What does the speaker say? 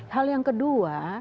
hal yang kedua